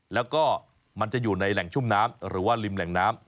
แล้วก็มันจะอยู่ในแหล่งชุ่มน้ำหรือว่าริมแหล่งน้ำ